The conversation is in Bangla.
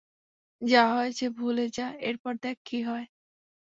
যা হয়েছে ভুলে যা এরপর দেখ কী হয়।